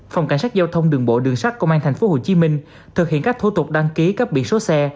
phòng cảnh sát giao thông đường bộ đường sát công an tp hcm thực hiện các thủ tục đăng ký cấp biển số xe